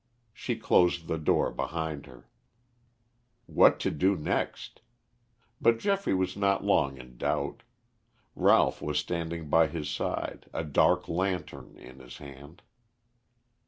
She closed the door behind her. What to do next? But Geoffrey was not long in doubt. Ralph was standing by his side, a dark lantern in his hand.